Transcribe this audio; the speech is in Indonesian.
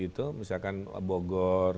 itu misalkan bogor